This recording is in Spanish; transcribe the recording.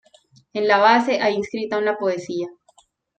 En la base hay inscrita una poesía.